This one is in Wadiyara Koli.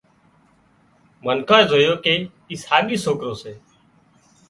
منکانئي زويون ڪي اي ساڳي سوڪرو سي